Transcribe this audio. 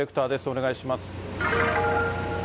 お願いします。